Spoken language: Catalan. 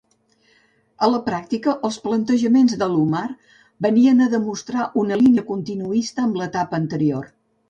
A la pràctica, els plantejaments d'Alomar venien a demostrar una línia continuista amb l'etapa anterior.